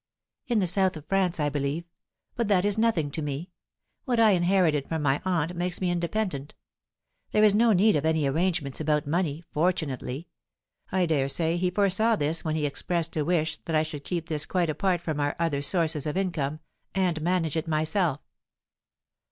"In the south of France, I believe. But that is nothing to me. What I inherited from my aunt makes me independent; there is no need of any arrangements about money, fortunately. I dare say he foresaw this when he expressed a wish that I should keep this quite apart from our other sources of income, and manage it myself."